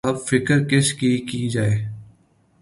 اب فکر کس کی‘ کی جائے؟